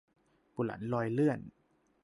บุหลันลอยเลื่อน